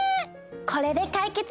これでかいけつ！